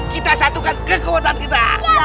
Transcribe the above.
kita sadukan kekuatan kita kpresain